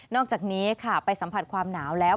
อกจากนี้ค่ะไปสัมผัสความหนาวแล้ว